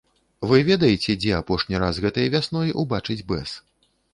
Вы ведаеце, дзе апошні раз гэтай вясной убачыць бэз?